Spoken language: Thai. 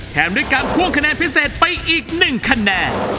แถมด้วยการพ่วงคะแนนพิเศษไปอีกหนึ่งคะแนน